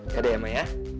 gak ada ya ma ya